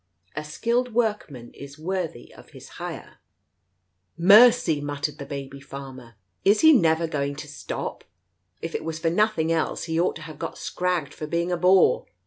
A skilled workman is worthy of his hire " Digitized by Google THE COACH 151 "Mercy! M muttered the baby farmer. "Is he never going to stop ? If it was for nothing else, he ought to have got scragged for being a bore